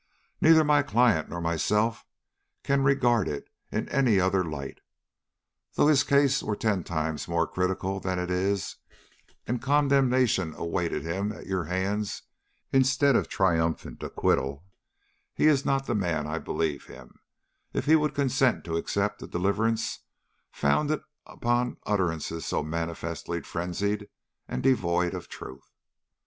Neither my client nor myself can regard it in any other light. Though his case were ten times more critical than it is, and condemnation awaited him at your hands instead of a triumphant acquittal, he is not the man I believe him, if he would consent to accept a deliverance founded upon utterances so manifestly frenzied and devoid of truth.